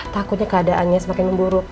takutnya keadaannya semakin memburuk